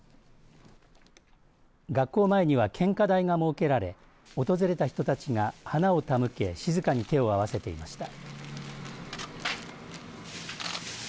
学校前には、献花台が設けられ訪れた人たちが花を手向け静かに手を合わせていました。